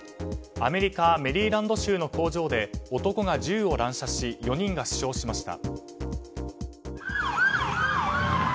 アメリカ・メリーランド州の工場で男が銃を乱射し４人が死傷しました。